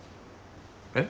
えっ？